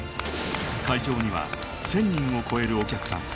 会場には１０００人を超えるお客さん